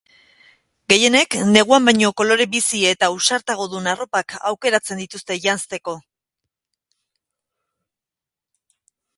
Gehienek, neguan baino kolore bizi eta ausartagodun arropak aukeratzen dituzte janzteko.